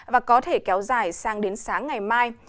và có thể kéo dài sang đến sáng ngày mai